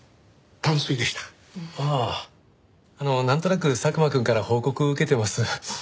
なんとなく佐久間くんから報告受けてます。